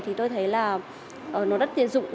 thì tôi thấy là nó rất tiện dụng